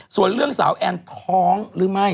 ส่วนเรื่องสาวแอนท้องหรือไม่